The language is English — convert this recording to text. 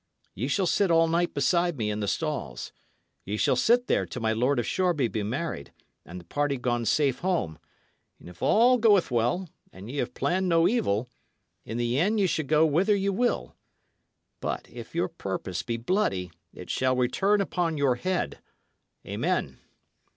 Ye shall sit all night beside me in the stalls: ye shall sit there till my Lord of Shoreby be married, and the party gone safe home; and if all goeth well, and ye have planned no evil, in the end ye shall go whither ye will. But if your purpose be bloody, it shall return upon your head. Amen!"